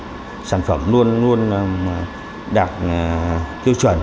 để sản phẩm luôn đạt tiêu chuẩn